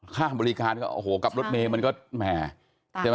ข้ามบริการก็โอ้โหกลับรถเมฆมันก็แหมเหม่ดีไหม